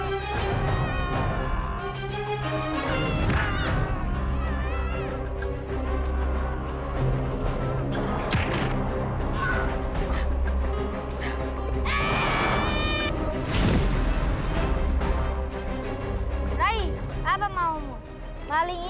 cici putih tembak kulimah kunci